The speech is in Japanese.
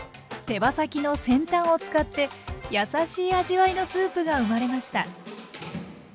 手羽先の先端を使って優しい味わいのスープが生まれました。